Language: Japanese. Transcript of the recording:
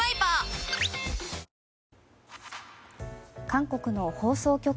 韓国の放送局